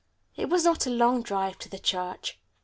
It was not a long drive to the church.